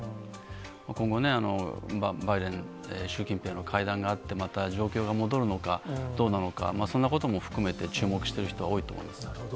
今後ね、バイデン、習近平の会談があって、また状況が戻るのかどうなのか、そんなことも含めて注目しているなるほど。